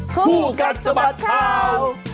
ผู้กันสบัดข่าว